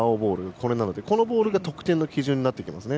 このボールが得点の基準になってきますね。